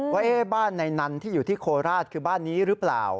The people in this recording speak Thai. ว่าบ้านในนันที่อยู่ที่โคราชคือบ้านนี้หรือเปล่า